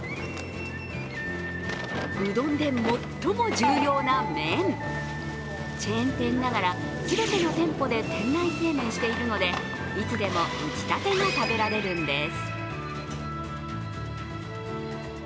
うどんで最も重要な麺、チェーン店ながら全ての店舗で店内製麺しているのでいつでも打ちたてが食べられるんです。